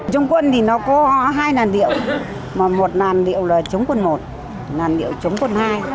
chống quân thì nó có hai làn điệu và một làn điệu là chống quân một làn điệu chống quân hai